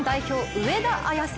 上田綺世。